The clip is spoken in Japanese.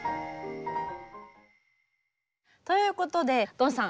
ということでドンさん